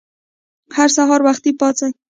هر سهار وختي پاڅئ!